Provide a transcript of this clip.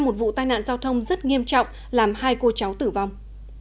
một vụ tai nạn giao thông rất nghiêm trọng làm hai cô cháu tử vong